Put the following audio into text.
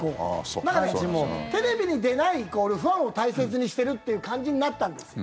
だからテレビに出ないイコールファンを大切にしてるっていう感じになったんですよ。